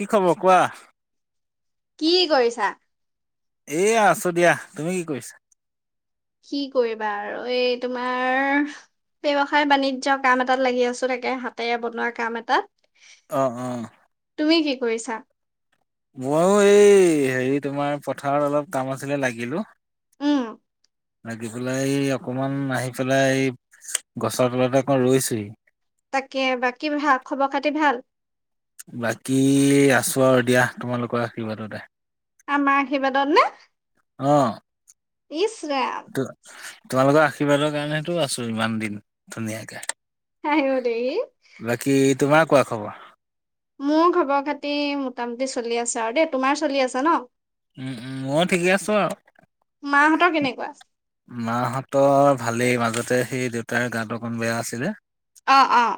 কি খবৰ কোৱা? কি কৰিছা? এয়া আছোঁ দিয়া তুমি কি কৰিছা? কি কৰিবা আৰু এই তোমাৰ ব্যয়ৱসায় বাণিজ্যৰ কাম এটাত লাগি আছো, তাকে হাতেৰে বনোৱা কাম এটাত। অ', অ', তুমি কি কৰিছা ময়ো এই হেৰি তোমাৰ পথাৰত অলপ কাম আছিলে লাগিলোঁ। উম, লাগি পেলাই এই অকমান আহি পেলাই এই গছৰ তলতে অক ৰৈছিল। তাকে বাকী ভাল খবৰ খাতি ভাল? বাকী আছোঁ আৰু দিয়া তোমালোকৰ আশীৰ্বাদতে। আমাৰ আশীৰ্বাদত নে ইচ, ৰাম ত' তোমালোকৰ আশীৰ্বাদৰ কাৰণটো আছো ইমান দিন ধুনীয়াকে। আই অ'ই দেহি। বাকী তোমাৰ কোৱা খবৰ? মোৰ খবৰ খাতি মোটামুটি চলি আছে আৰু দেই তোমাৰ চলি আছা ন? উম, উম, মই ঠিকে আছো মাহঁতৰ আৰু কেনেকুৱা? মাহঁতৰ ভালেই মাজতে সেই দেউতাৰ গাতো অকণ বেয়া আছিলে। অ', অ',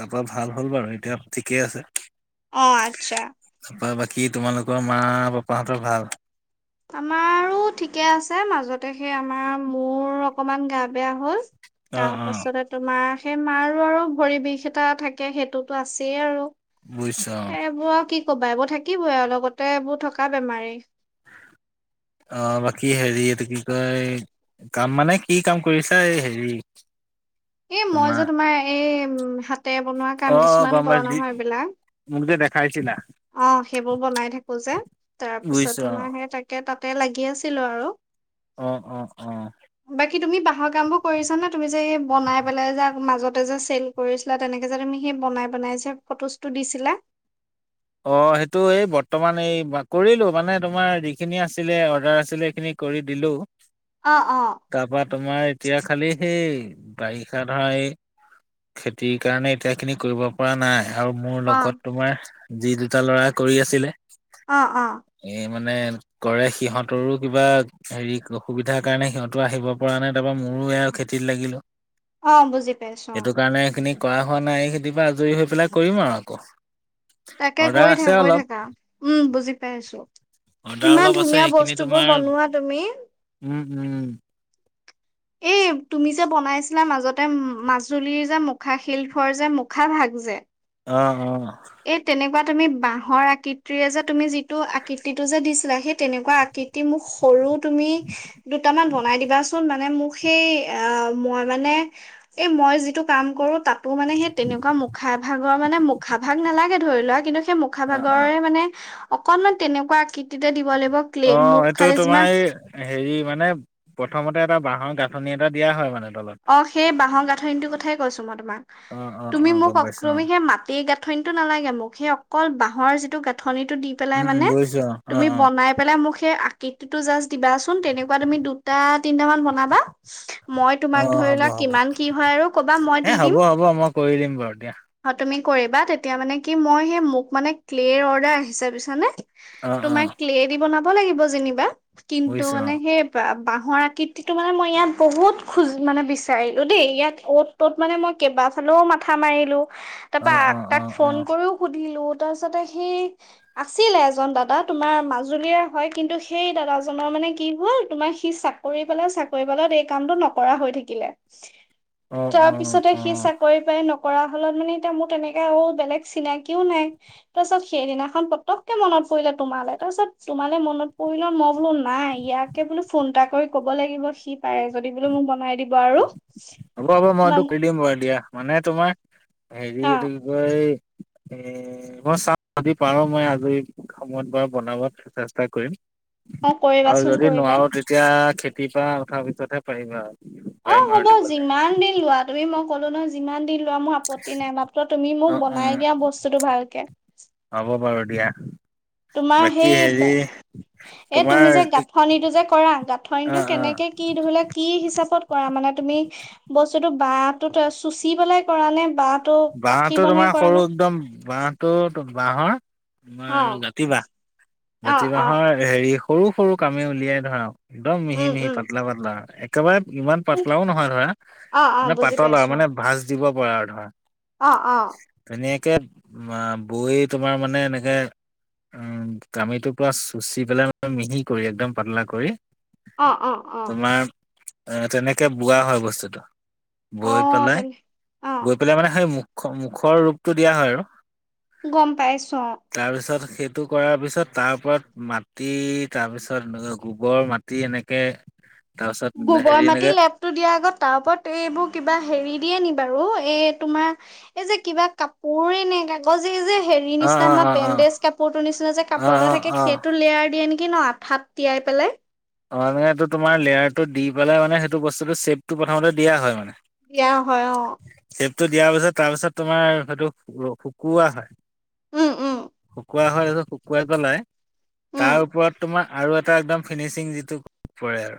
তাৰ পৰা ভাল হ'ল বাৰু এতিয়া ঠিকেই আছে। অ', আচ্ছা। বাকী তোমালোকৰ মা পাপাহঁতৰ ভাল? আমাৰো ঠিকে আছে মাজতে সেই আমাৰ মোৰ অকমান গা বেয়া হ'ল। অ', তাৰ অ', পাছতে তোমাৰ সেই মাৰো আৰু ভৰি বিষ এটা থাকে সেইটোতো আছেই আৰু। বৈছা অ', এইবোৰ আৰু কি ক'বা এইবোৰ থাকিবই আৰু লগতে এইবোৰ থকা বেমাৰেই। অ', বাকী হেৰি এইটো কি কয় কাম মানে কি কাম কৰিছা এই হেৰি এ মই যে তোমাৰ এই সাত তে বনোৱা কাম অ', কিছুমান কৰ নহয় এইবিলাক খাইছিলা? অ', সেইবোৰ বনাই থাকো যে, তাৰ পিছত বুজিছো তোমাৰ সেই তাকে তাতে লাগি আছিলোঁ আৰু। উম, উম, বাকী তুমি বাঁহৰ কাম বোৰ কৰিছা নে, তুমি যে এই বনাই পেলাই যে মাজত তই যে ছেন কৰিছিলা, তেনেকে যে তুমি সেই বনাই বনাই যে ফটো ছটো দিছিলা। অ', সেইটো এই বৰ্তমান এই কৰিলো মানে তোমাৰ যিখিনি আছিলে অৰ্ডাৰ আছিলে সেইখিনি কৰি দিলো অ', অ', তাৰ পৰা তোমাৰ এতিয়া খালি সেই বাৰিষা ধৰা এই খেতিৰ কাৰণে এতিয়া খিনি কৰিব পৰা নাই আৰু মোৰ অ', লগত তোমাৰ যি দুটা ল'ৰা কৰি আছিলে অ', অ', এই মানে কৰে সিহঁতৰো কিবা হেৰি অসুবিধাৰ কাৰণে সিহঁতো আহিব পৰা নাই, তাৰপৰা মোৰ মোৰো আৰু খেতিত লাগিলো। অ' বুজি পাইছো অ', সেইটো কাৰণে এইখিনি কৰা হোৱা নাই খেতিৰপা আজৰি হৈ পেলাই কৰিম আৰু আকৌ। তাকে অৰ্ডাৰ কৰি আছে থাক গৈ অলপ থাকা উম, বুজি পাই আছোঁ। অৰ্ডাৰ অলপ ইমান আছে ধুনীয়া সেইখিনি বস্তুবোৰ তোমাৰ বনোৱা তুমি উম উম, এই তুমি যে বনাইছিলা মাজতে মাজুলীৰ যে মুখা শিল ধোৱাৰ যে মুখা ভাগ যে অ', অ', এই তেনেকুৱা তুমি বাঁহৰ আকৃতিৰে যে তুমি যিটো আকৃতিটো যে দিছিলা সেই তেনেকুৱা আকৃতি মোক সৰু আৰু তুমি, দুটামান বনাই দিবাচোন মানে মোক সেই অ' মই মানে এই মই যিটো কাম কৰো তাত তোৰ মানে, সেই তেনেকুৱা মুখা ভাগৰ মানে মুখা ভাগ নালাগে ধৰি লোৱা কিন্তু, সেই মুখা অ অ ভাগৰে মানে অকনমান তেনেকুৱা আকৃতিতে দিব লাগিব ক্লে মুখ অ', এইটো খালি তোমাৰ যিমান এই হেৰি মানে প্ৰথমতে এটা বাঁহৰ গাঁঠনি এটা দিয়া হয় মানে তলত অ', সেই বাঁহৰ গাঁঠনিটোৰ কথাই কৈছো মই তোমাক অ অ তুমি অ মোক গম পাইছো অ অক্ৰমি সেই মাটি গাঁথনিটো নালাগে মোক সেই অকল বাঁহৰ যি টো গাঠনিটো দি উম পেলাই উম মানে, বুজিছো অ তুমি অ বনাই পেলাই মোক সেই আকৃতিটো জাষ্ট দিবাচোন তেনেকুৱা তুমি দুটা তিনটা মান বনাবা মই অ তোমাক অ ধৰি হ'ব লোৱা হ'ব কিমান কি হয় আৰু কবা মই এ দি হ'ব দিম। হ'ব মই কৰি দিম বাৰু দিয়া অ, তুমি কৰিবা তেতিয়া মানে কি মই সেই মোক মানে ক্লেৰ অৰ্ডাৰ আহিছে বুজিছানে? অ অ তোমাৰ ক্লে দি বনাব লাগিব যেনিবা, কিন্তু বুজিছো মানে অ সেই বাঁহ বাঁহৰ ঘৰ আকৃতিটো মানে মই ইয়াত বহুত খোজ মানে বিচাৰিলোঁ দেই ইয়াত অ'ত ত'ত মানে মই কেইবা ফালেও মাথা মাৰিলোঁ। অ তাৰপা অ অ তাক অ ফোন কৰিও সুধিলো। তাৰ পিছতে সেই আছিলে এজন দাদা তোমাৰ মাজুলীয়ে হয় কিন্তু সেই দাদাজনৰ মানে মানে কি হল তোমাৰ সি চাকৰি পালে চাকৰি পালে ত এই কামটো নক নকৰা হৈ থাকিলে, অ অ তাৰপিছতে অ সি চাকৰি পাই ন কৰা হ'লত মানে এতিয়া মোৰ তেনেককাে আৰু বেলেগ চিনাকিও নাই তাৰ পাছত সেইদিনাখন পতককে মনত পৰিলে তোমালে তাৰ পপিছত তোমালে মনত পৰিল মই বোলো নাই ইয়াকে বোল ফোন এটা কৰি ক'ব লাগিব সি পাৰে যদি বোলো মোক বনাই দিব আৰু। হ'ব হব মইটো ইমান কৰিদিম বাৰু দিয়া মানে তোমাৰ হেৰি অ এইটো কি কয় এ মই চা যদি পাৰো মই আজৰি সময়ত বা বনাবত চেষ্টা কৰিম। অ আৰু কৰিবাচোন যদি কৰিবা। নোৱাৰো তেতিয়া খেতি পা উঠাৰ পিছতহে পাৰিম আৰু। অ', পাৰিম আৰু হ'ব দিবলে যিমান দিন লোৱা তুমি মই কলো ন যিমান দিন মোৰ আপত্তি নাই মাত্ৰ তুমি অ মোক উম বনাই দিয়া বস্তুটো ভালকে। হ'ব বাৰু দিয়া তোমাৰ বাকী সেই হেৰি বে এ তোমাৰ তুমি যে গাঁঠনিটো যে কৰা অ গাঁঠনিটো অ কেনেকে কি ধৰিলা কি হিচাপত কৰা মানে? তুমি বস্তুটো বাহটোত চুচি পেলাই কৰা নে বা বাঁহটো তোমাৰ সৰু একদম বাঁহ টো বাহৰ অ তোমাৰ জাতি বাঁহ অ জাতি অ বাহৰ হেৰি সৰু সৰু কামি উলিয়াই ধৰা ধৰ একদম মিহি উম মিহি উম পাতলা পাতলা একেবাৰে ইমান পাতলাও নহয় ধৰা, অ অ মানে বুজি পাতল আৰু পাইছো মানে ভাঁজ দিব পৰা আৰু ধৰা। অ' অ'। এুনেীয়াকে বৈ তোমাৰ মানে এনেকে [inaudible] উম কামিটো পুৰা চুচি পেলাই ম মিহি কৰি একদম পাতলা কৰি। অ' অ' অ'। তোমাৰ এ তেনেকে বোৱা হয় বস্তুটো, অ বৈ পেলাই তেনে অ বৈ পেলাই মানে েই মুখ মুখৰ ৰূপটো দিয়া হয় আৰু [inaudible] গম পাইছোঁ। তাৰপিছত সেইটো কৰাৰ পিছত তাৰ ওপৰত মাটি তাৰ পিছত গোবৰ মাটি এনেকে তাৰপিছত গোবৰ হেৰি মাটি এনেকে লেপতটো দিয়া আগত তাৰ ওপৰত এইবোৰ কিবা হেৰি দিয়ে নি বাৰু? এই তোমাৰ এই যে কিবা কাপোৰেই নে কাগজ এই যে হেৰি অ নিচিনা অ আমাৰ অ অ বেণ্ডেজ কাপোৰৰ নিচিনা যে অ কাপোৰ এটা অ থাকে অ সেইটো লেয়াৰ দিয়ে নেকি? কি ন আঠাত তিয়াই পেলাই। অ' মানে এইটো তোমাৰ লেয়াৰটো দি পেলাই মানে সেইটো বস্তুতটো চেপটো প্ৰথমতে দিয়া হয় মানে। দিয়া হয় অ'। লেপটো দিয়াৰ পিছত তাৰপিছত তোমাৰ হয়টো শু কুৱা হয়। উম উম শুকুৱাই হয় আৰু শুকুৱাই পেলাই উম তাৰ ওপৰত তোমাৰ আৰু এটা একম ফিনিচিং দি স পৰে আৰু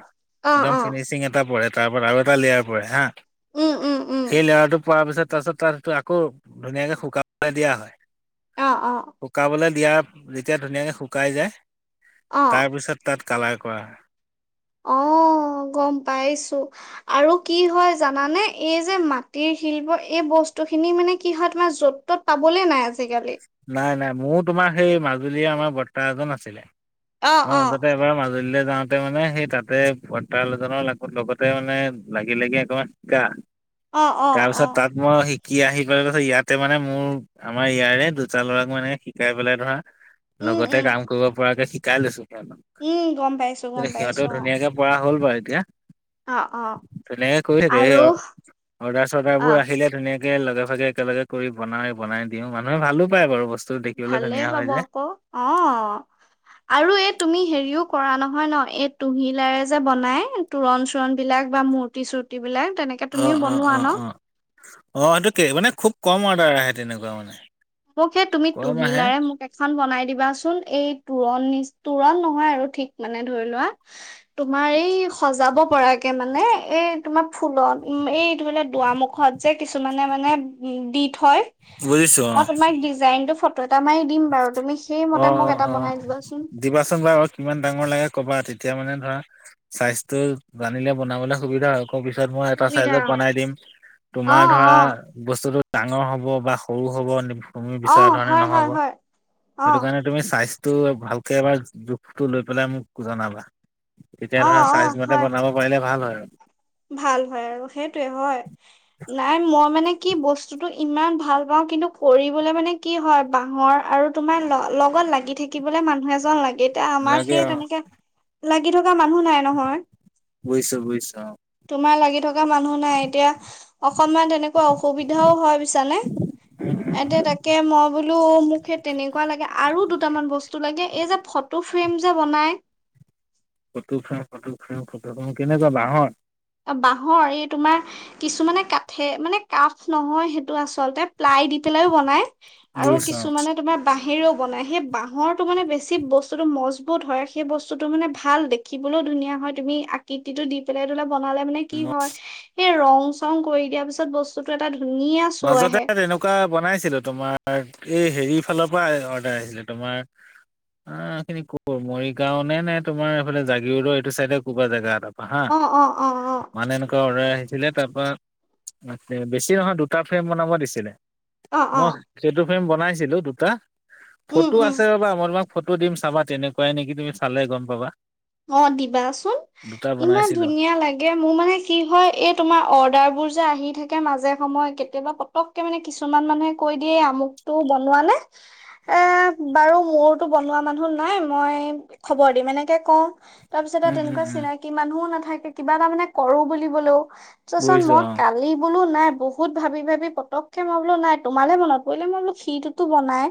অ একদম অ ফিনিচিং এটা পৰে তাৰ পৰা আৰু এটা লেয়াৰ পৰে হা। উম উম উম সেই লেয়াৰ টো কো [unintelligible] ৱাৰ পিছত তাৰ পিছত তাত সটো আকৌ ধুনীয়াকে শুকাবলৈ দিয়া হয়, অ অ শুকাবলৈ দিয়া যেতিয়া ধুনীয়াকে শুকাই যায় অ তাৰপিছত তাত কালাৰ কৰা হয়। অ'। অ' গম পাইছো আৰু কি হয় জানানে এই যে মাটিৰ শিল্প এই বহু বস্তু খিনি মানে কি হয় তোমাৰ য'ত ত'ত পাবলে নাই আজিকালি। মোৰ তোমাৰ সেই মাজুলীয়ে আমাৰ বৰ্তা এজন আছিলে, অ মই অ মাজতে এবাৰ মাজু মাজুলী লৈ যাওঁতে মানে সেই তাতে বৰ্তাজনৰ লগতে মানে লাগি লাগি অকণমান শিকা। অ অ তাৰপিছত অ তাত মই শিকি আহি পেলাই পাছত ইয়াতে মানে মোৰ আমাৰ ইয়াৰে দু বাচা লৰাক মানে শিকাই পেলাই ধৰা উম লগতে উম কাম কৰিব পৰাকে শিকাই লৈছো। উম গম পাইছো সি গম সিহঁতেও পাইছো ধুনীয়াকে পৰাঢ় হ'ল বাৰু এতিয়া। অ অ অ তেনেকে কৰি থাকে স আৰু অৰ্ডাৰ চৰ্ডাৰ অ বোৰ আহিলে ধুনীয় ে লগে ভাগে একেলগে কৰি বনাই বনাই দিও মানুহে ভালো পায় বাৰু বস্তু। দেখিবলৈ ভালে ধুনীয়া হয় পাব যে আকৌ অ' আৰু এই তুমি হেৰিও কৰা নহয় ন এই তুহিলাৰে যে বনাই তোৰণ চোৰণ বিলাক বা মূৰ্তি চূৰ্তি বিলাক। তেনেকে তুমিও অ' অ' বনোৱা ন অ' অ' অ' এইটো মানে খুব কম অৰ্ডাৰ আহে তেনেকুৱা মানে। মোক সেই তুমি কম আহে তুহিলাৰে মোক এখন বনাই দিবাচোন এই তোৰণ নি তোৰণ নহয় আৰু ঠিক মানে ধৰি লোৱা তোমাৰ এই সজাব পৰাকে মানে এই তোমাৰ ফুলত এইটো বোলে দুৱমুখত যে কিছুমানে মানে দি থয়। বুজিছো। অ মই তোমাক ডিজাইন টো ফটো এটা মাৰি দিম বাৰু তুমি সেইমতে অ' মোক অ' এটা অ' বনাই দিবাচোন। দিবাচোন বাৰু অ কিমান ডাঙৰ লাগে কবা তেতিয়া এতিয়া মানে ধৰা স্বাস্থ্্য জানিলে বনাবলৈ সুবিধা হয়। ি মই এ সুবিধা বন হয় তম অ', ধ অ', বু ডাঙৰ হ'ব বা সৰু হ'ব তুমি বিচৰা অ', ধৰণে হয়, নহ'ব। হয়, হয়, সেইটো অ', কাৰণে তুমি স্বাস্থটো ভালকে এবাৰ জোখটো লৈ পেলাই মোক জনাবা। তেতিয়া অ', ধৰা অ', চাইজ মতে হয়। বনাব পাৰিলে ভাল হয় আৰু। ভাল হয় আৰু সেইটয়ে হয়। নাই মই মানে কি বস্তুতটো ইমান ভাল পাওঁ। কিন্তু কৰিবলৈ মানে কি হয় বাঁহৰ আৰু তোমাৰ লগত লাগি থাকিবলৈ মানুহ এজন লাগিতে আমাক, লাগে সেই অ তেনেকে লাগি থ মানুহ নাই নহয়। বুজিছো বুজিছো অ তোমাৰ লাগি থ তেনেকুৱা মানুহ নাই এতিয়া অকনমান তেনেকুৱা অসুবিধাও হয় পিছান? এতি তাকে মই বোলো মোক সেই তেনেকুৱা লাগে আৰু দুটামান বস্তু লাগে এই যে ফটো ফ্ৰেম যে বনাই। ফটোক ফং ফটোক ফং ফ কেনেকুৱা বাঁাহত? বাঁহৰ এই তোমাৰ কিছুমানে কাঠে মানে কাঠ নহয় সেইটো আচলতে। প্লাই দি পেলাইও বনাই আৰু বুজিছো অ কিছুমানে তোমাৰ বাহ বাঁহেৰেও বনায় সেই বাঁহৰটো মানে বেছি বস্তুটো মজবুত হয় সেই বস্তুটো মানে ভাল দেখিবলৈ। ধুনীয়া হয় তুমি আকৃতিটো দি পেলাই অলপ বনালে মান কি মই হয়, সেই ৰং-চং কৰি দিয়া পিছত বস্তুটো এটা ধুনীয়া শ্ব' মাজতে আহে তেনেকুৱা বনাইছিলো তোমাৰ এই হেৰি ফালৰ পৰা অৰ্ডাৰ আহিছিলে তোমাৰ অ এই খখিনি কৰ মৰিগাঁও নে-নে তোমাৰ এইফালে জাগিৰডৰ এইটো চাইডে ক'ৰবা জেগা এটাত। [unintelligible] অ অ অ অ মানে এনেকুৱা অৰ্ডাৰ আহিছিলে তাৰ পৰা বেছি নহয় দু দুটা ফ্ৰেম বনাব দিছিলে। অ অ মই সেইটো ফ্ৰেম বনাইছিলো দুটা উম ফটো উম আছে ৰবা, মই তোমাক ফটো দিম চাবা তেনেকুৱাই নেকি তুমি চালে গম পাবা। অ দিবাচোন। দুটা ইমান বনাইছিলো ধুনীয়া লাগে মোৰ মানে কি হয় এই তোমাৰ অৰ্ডাৰবোৰ যে আহি থাকে মাজে সময় কেতিয়াবা পতককে মানে কিছুমান মানুহে কৈ দিয়ে আমুকটো বনোৱা নে এ বাৰু মোৰতো বনোৱা মানুহ নাই, মই খবৰ দিম এনেকে কওঁ। তাৰ পিছত আৰু উম উম তেনেকুৱা উম চিনাকি মানুহও নাথাকে, কিবা এটা মানে কৰো বুলিবলেও চাচোন বুজিছো মই অ কালি বোলো নাই বহুত ভাবি ভাবি পতকে মই বোলো নাই তোমালে বনাত পৰিলে, মই বোলো সিটোতো বনাই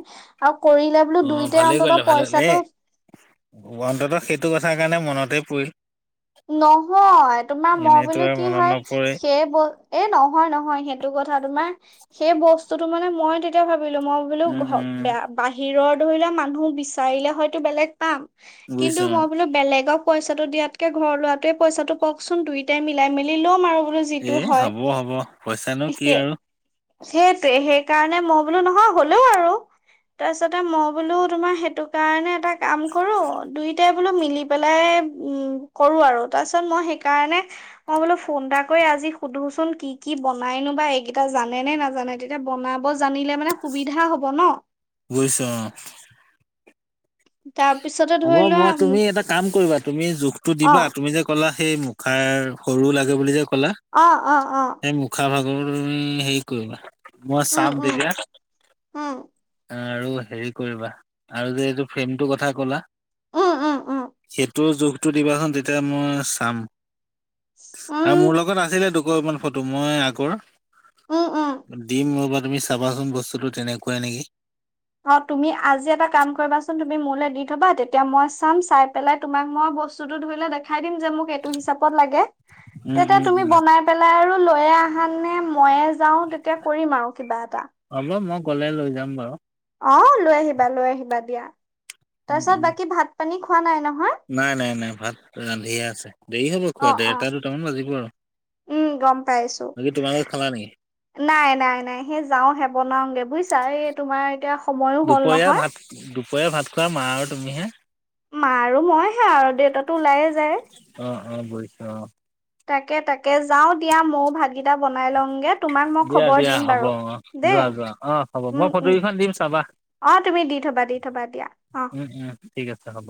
আৰু কৰিলে বোলো অ দুইটাই ভালেই অন্তত কৰিলা, ভালে কৰিলা পইচাটো এ অন্ততঃ সেইটো ক কথ কাৰণে মনতে পৰি নহয়। তোমাৰ মই বোলো আৰু কি মনত হয়, নপৰে সেই ব এ নহয়-নহয় সেইটো কথা তোমাৰ সেই বস্তুটো মানে মই তেতিয়া ভাবিলো, মই বোলো উম উম বাহিৰৰ ধৰি লোৱা মানুহ বিচাৰিলে হয়তো বেলেগ পাম। বুজিছো কিন্তু মই অ', বোলো বেলেগক পইচাটো দিয় কে ঘৰ লৰাটোৱে পইচাটো পাওঁকচোন। দুইটাই মিলাই মেলি ল'ম আৰু এ যিটো হয়। হ'ব হ'ব পইচানো কি সে আৰু সেইটোৱে। সেইকাৰণে মই বোলো নহয় হলেও আৰু তাৰপিছতে মই বোলো তোমাৰ সেইটো কাৰণে এটা কাম কৰো দুইটাই বোলো মিলি পেলাই উম তাৰ কৰো আৰু, তাৰ পিছত মই সেইকাৰণে মই বোলো ফোন এটা কৰি আজি সুধোচোন কি কি বনাইনো এইকেইটা জানে নে নাজানে? তেতিয়া বনাব জানিলে মানে সুবিধা হ'ব ন? বুজিছো অ'। তাৰপিছতে হ'ব ধৰি লোৱা মই উম তুমি এটা কাম কৰিবা, তুমি জোখটো অ দিবা তুমি যে ক'লা সেই মুখাৰ সৰু লাগে বুলি যে ক'লা। অ অ অ সেই মুখা ভাগ তোৰ এই হেৰি কৰিবা। মই উম চাম উম তেতিয়া উম আৰু হেৰি কৰিবা, আৰু যে এইটো ফ্ৰেমটো কথা কলা উম উম উম সেই তোৰ জোখটো দিবাচোন তেতিয়া মই চাম। আৰু উম মোৰ লগত আছিলে আ [unintelligible] ফটো মই আগৰ উম উম দিম [unintelligible] তুমি চাবাচোন বস্তুটো তেনেকুৱাই নেকি। অ', তুমি আজি এটা কাম কৰিবাচোন তুমি মোলৈ দি থবা তেতিয়া মই চাম চাই পেলাই তোমাক মই বস্তুটো ধৰিলে দেখা খাইদিম যে মোক এইটো হিচাপত লগে, উম, তেতিয়া উম, তুমি উম, বনাই পেলায় আৰু লৈয়ে আহা নে ময়ে যাও তেতিয়া কৰিম আৰু কিবা এটা। কলে লৈ যাম বাৰু? অ', লৈ আহিবা লৈ আহিবা দিয়া উম, তাৰপিছত উম। বাকী ভাত পানী খোৱা নাই নহয়? নাই - নাই - নাই ভাত ৰান্ধিয়ে আছে দেৰি হ'ব খোৱা অ অ দেৰটা দুটামান বাজিব আৰু উম, গম পাইছো বাকী তোমালোকে খালা নেকি? নাই - নাই - নাই, সেই যাওঁ হে বনাওগে বুজিছা। এই তোমাৰ এতিয়া সময়ো হ'ল দুপৰীয়া নহয়। ভাত [unintelligible] ভাত খোৱা মা আৰু তুমিহে। মাৰ আৰু মইহে আৰু দেউতাতো ওলায়ে যায়। অ অ বহিছো অ। তাকে-তাকে যাও দিয়া ময়ো ভাতকেইটা বনাই লওঁ। গে। তোমাক মই দিয়া খবৰ দিয়া দিম হ'ব বাৰু, অ দেই? যোৱা যোৱা অ হ'ব মই উম- ফটো উম। কেইখন দিম চাবা অ তুমি দি থবা, দি থবা দিয়া অ। উম উম ঠিক আছে হ'ব।